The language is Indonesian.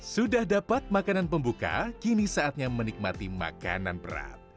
sudah dapat makanan pembuka kini saatnya menikmati makanan berat